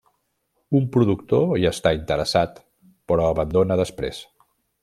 Un productor hi està interessat però abandona després.